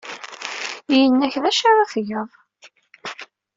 Yenna-ak d acu ara tgeḍ?